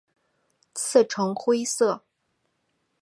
刺呈灰色。